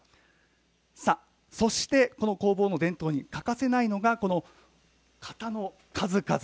そして、この工房の伝統に欠かせないのが、この型の数々。